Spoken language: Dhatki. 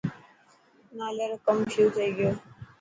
نالي رو ڪم شروع ٿي گيو.